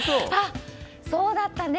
そうだったね！